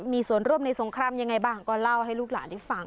มีส่วนร่วมในสงครามยังไงบ้างก็เล่าให้ลูกหลานได้ฟัง